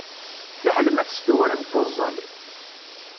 Fiḥel ma testewrem tuẓẓal.